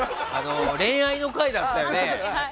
恋愛の回もだったよね。